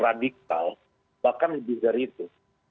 radikal bahkan lebih dari itu